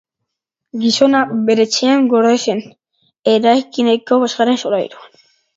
Gizona bere etxean gorde zen, eraikineko bosgarren solairuan.